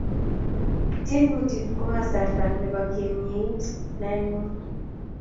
Tiemutik ko kasarta ne bo kemieit naengung